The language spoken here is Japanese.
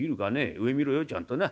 上見ろよちゃんとな。